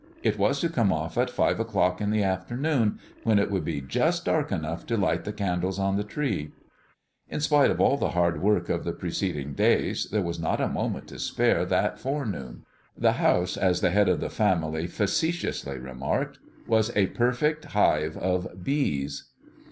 It was to come off at five o'clock in the afternoon, when it would be just dark enough to light the candles on the tree. In spite of all the hard work of the preceding days, there was not a moment to spare that forenoon. The house, as the head of the family facetiously remarked, was a perfect hive of B's.